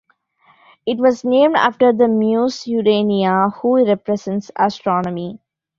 It was named after the Muse "Urania" who represents Astronomy.